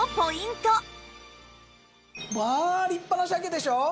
まあ立派な鮭でしょ？